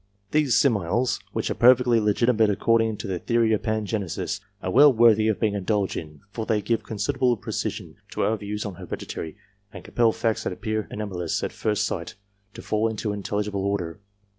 These similes, which are perfectly legitimate according to the theory of Pangenesis, are well worthy of being indulged in, for they give considerable precision to our views on heredity, and compel facts that appear anomalous at first sight, to fall into intelligible order.